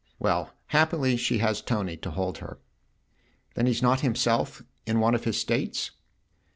Well, happily she has Tony to hold her." " Then he's not himself in one of his states